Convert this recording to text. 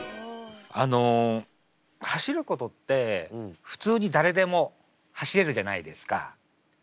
あの走ることって普通に誰でも走れるじゃないですか。